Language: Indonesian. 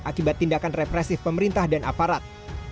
akibat tindakan represif pemerintah dan aparat